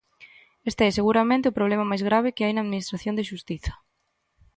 Este é seguramente o problema máis grave que hai na administración de xustiza.